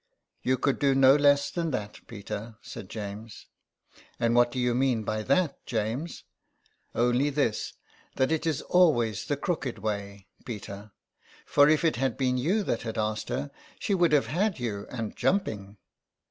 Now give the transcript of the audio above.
" You could do no less than that, Peter," said James. " And what do you mean by that, James ?'^•* Only this, that it is always the crooked way, Peter; for if it had been you that had asked her she would have had you and jumping."